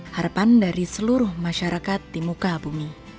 harapan dari seluruh masyarakat di muka bumi